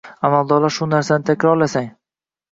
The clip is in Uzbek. amaldorlar shu narsani takrorlasang